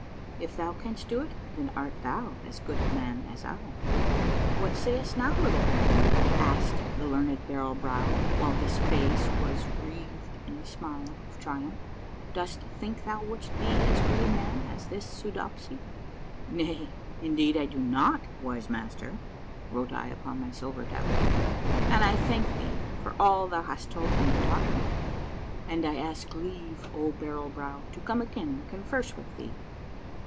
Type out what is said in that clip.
If thou canst do it, then art thou as good a man as I.' " What sayest now, little baron ?" asked the learned Barrel Brow, while his face' was wreathed in a smile of triumph; "dost think thou wouldst be as good a man as this Soodopsy?" " Nay, indeed I do not, wise Master," wrote I upon my silver tablet :" and I thank thee for all thou has told me and taught me, and I ask leave, O Barrel Brow, to come again and converse with thee."